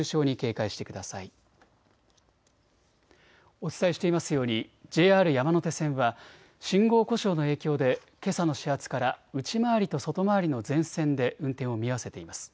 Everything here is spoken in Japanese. お伝えしていますようにＪＲ山手線は信号故障の影響でけさの始発から内回りと外回りの全線で運転を見合わせています。